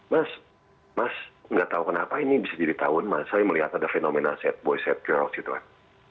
mas mas nggak tahu kenapa ini bisa jadi tahun mas saya melihat ada fenomena set boys set girls gitu kan